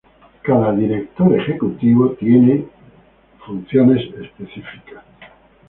Cada director ejecutivo es acusado de funciones específicas.